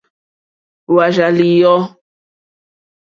Wàà rzà lìyɔ̌.